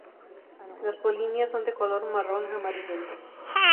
Las polinias son de color marrón-amarillento.